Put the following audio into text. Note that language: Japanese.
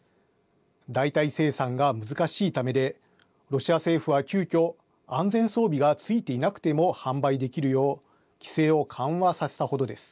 代替生産が難しいためでロシア政府は、急きょ安全装備がついていなくても販売できるよう規制を緩和させたほどです。